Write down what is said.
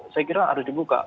saya kira harus dibuka